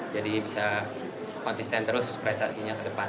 jadi bisa konsisten terus prestasinya ke depan